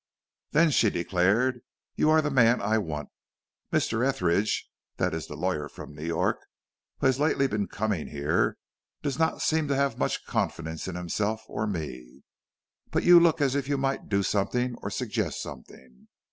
"Then," she declared, "you are the man I want. Mr. Etheridge that is the lawyer from New York who has lately been coming here does not seem to have much confidence in himself or me. But you look as if you might do something or suggest something.